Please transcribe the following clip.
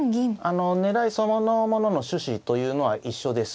あの狙いそのものの趣旨というのは一緒です。